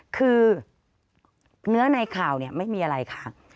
คือเนื้อในข่าวไม่มีอะไรค่ะ